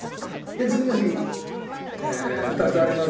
次の日「２つあります。